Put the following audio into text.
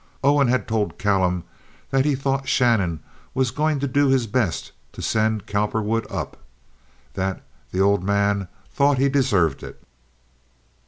Owen had told Callum that he thought Shannon was going to do his best to send Cowperwood "up"—that the old man thought he deserved it.